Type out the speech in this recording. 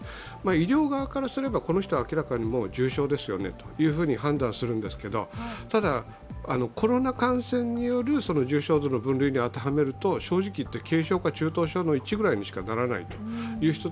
医療側からすれば、この人は明らかに重症ですよねと判断するんですけど、ただ、コロナ感染による重症度の分類に当てはめると、正直言って、軽症か中等症のⅠぐらいの人がたくさんいます。